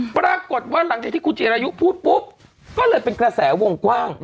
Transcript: ปรากฏว่าหลังจากที่คุณจีรายุพูดปุ๊บก็เลยเป็นกระแสวงกว้าง